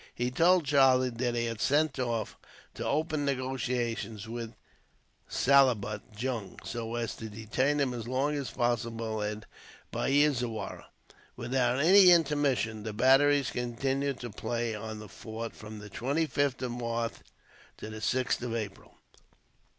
He told Charlie that he had sent off, to open negotiations with Salabut Jung, so as to detain him as long as possible at Baizwara. Without any intermission, the batteries continued to play on the fort from the 25th of March to the 6th of April.